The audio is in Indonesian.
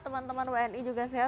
teman teman wni juga sehat